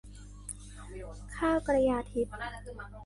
ข้าวกระยาทิพย์